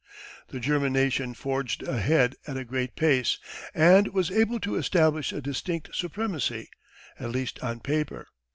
The German nation forged ahead at a great pace and was able to establish a distinct supremacy, at least on paper.